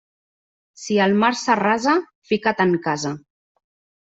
Si el mar s'arrasa, fica't en casa.